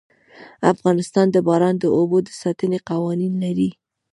افغانستان د باران د اوبو د ساتنې قوانين لري.